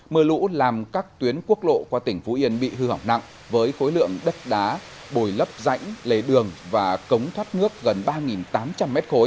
mưa lũ làm các tuyến quốc lộ qua tỉnh phú yên bị hư hỏng nặng với khối lượng đất đá bồi lấp rãnh lề đường và cống thoát nước gần ba tám trăm linh m ba